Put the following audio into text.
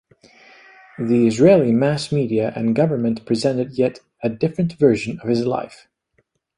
The Israeli mass media and government presented yet a different version of his life.